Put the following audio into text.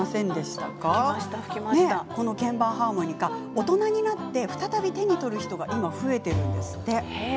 大人になって再び手に取る人が今、増えているんです。